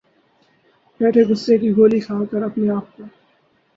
بیٹھے غصے کی گولی کھا کر اپنے آپ کو